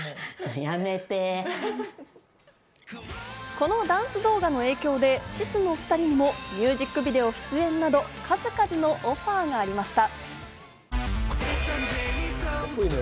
このダンス動画の影響でＳＩＳの２人にもミュージックビデオ出演など数々のオファーがありました。